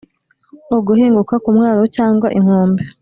Uguhinguka ku mwaro cyangwa inkombe